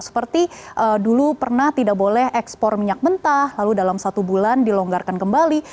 seperti dulu pernah tidak boleh ekspor minyak mentah lalu dalam satu bulan dilonggarkan kembali